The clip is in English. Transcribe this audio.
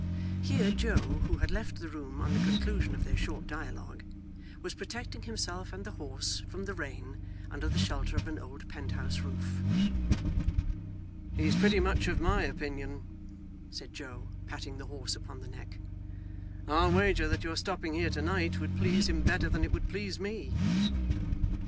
Here Joe (who had left the room on the conclusion of their short dialogue) was protecting himself and the horse from the rain under the shelter of an old penthouse roof. 'He's pretty much of my opinion,' said Joe, patting the horse upon the neck. 'I'll wager that your stopping here to night would please him better than it would please me.